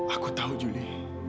aku tahu juli